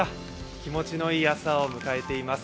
気持ちのいい朝を迎えています。